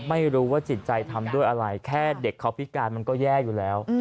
ไม่รู้ว่าจิตใจทำด้วยอะไรแค่เด็กเขาพิการมันก็แย่อยู่แล้ว